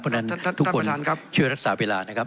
เพราะฉะนั้นทุกคนช่วยรักษาเวลานะครับ